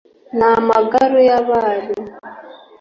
n’amagaju y’abari